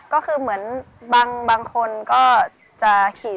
ชื่องนี้ชื่องนี้ชื่องนี้ชื่องนี้ชื่องนี้